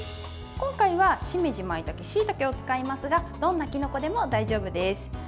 今回はしめじ、まいたけしいたけを使いますがどんなきのこでも大丈夫です。